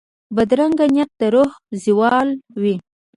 بدرنګه نیت د روح زوال وي